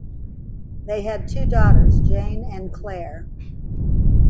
They had two daughters, Jane and Claire.